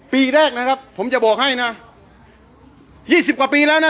ปีแรกนะครับผมจะบอกให้นะยี่สิบกว่าปีแล้วนะ